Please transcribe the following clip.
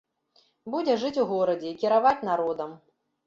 Будзе жыць у горадзе і кіраваць народам.